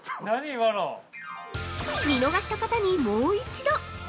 ◆見逃した方にもう一度！！